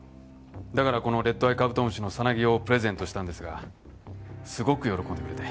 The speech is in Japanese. だからこのレッドアイカブトムシのさなぎをプレゼントしたんですがすごく喜んでくれて。